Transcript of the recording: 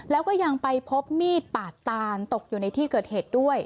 แล้วก็ยังไปพบมีดปาดตานตกอยู่ในที่เกิดเหตุด้วย